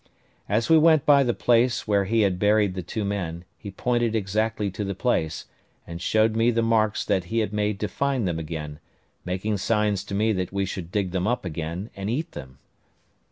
As we went by the place where he had buried the two men, he pointed exactly to the place, and showed me the marks that he had made to find them again, making signs to me that we should dig them up again and eat them.